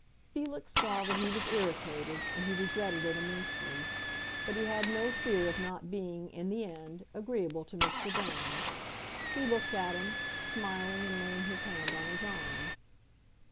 Felix saw that he was irritated, and he regretted it immensely; but he had no fear of not being, in the end, agreeable to Mr. Brand. He looked at him, smiling and laying his hand on his arm.